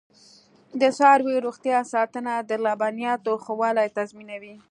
د څارویو روغتیا ساتنه د لبنیاتو ښه والی تضمینوي.